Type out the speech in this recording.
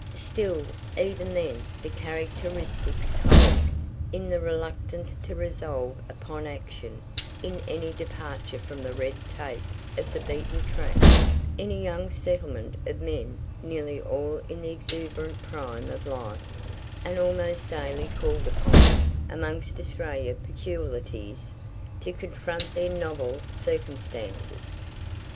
Still, even then, the characteristics told, in the reluctance to resolve upon action in any departure from the red tape of the beaten track, in a young settlement of men nearly all in the exuberant prime of life, and almost daily called upon, amongst Australian peculiarities, to confront their novel circumstances.